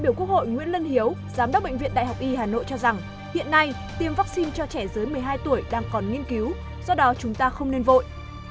biểu lân hiếu giám đốc bệnh viện đại học y hà nội cho rằng hiện nay tiêm vaccine cho trẻ dưới một mươi hai tuổi đang còn nghiên cứu do đó chúng ta không nên vội